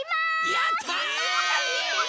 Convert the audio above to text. やった！